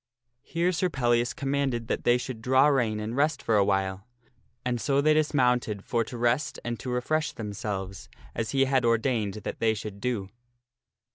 Here Sir Pellias commanded that they should draw rein and rest for a while, and so they dismounted for to rest and to refresh themselves, as he had ordained that they should do.